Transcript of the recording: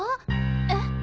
えっ？